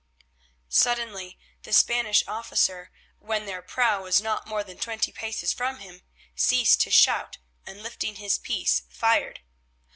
Suddenly the Spanish officer, when their prow was not more than twenty paces from him, ceased to shout, and lifting his piece fired.